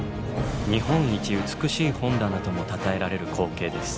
日本一美しい本棚ともたたえられる光景です。